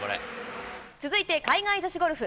続いて海外女子ゴルフ。